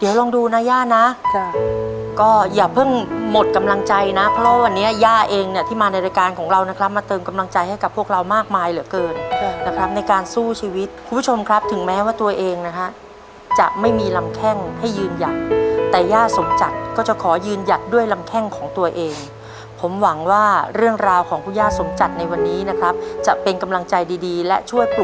วันนี้นะลูกหนูมีทั้งไข่เป็ดและไข่ไก่หมดเลย